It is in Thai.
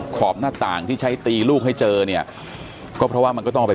ขอบหน้าต่างที่ใช้ตีลูกให้เจอเนี่ยก็เพราะว่ามันก็ต้องเอาไป